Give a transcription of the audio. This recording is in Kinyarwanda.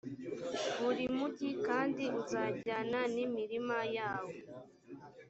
buri mugi kandi, uzajyana n’imirima yawo.